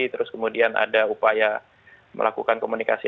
terus kemudian ada upaya melakukan komunikasi